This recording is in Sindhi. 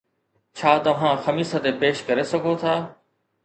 ڇا توهان خميس تي پيش ڪري سگهو ٿا؟